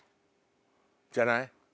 じゃない？